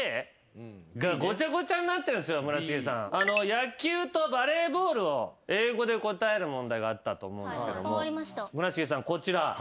野球とバレーボールを英語で答える問題があったと思うんですけども村重さんこちら。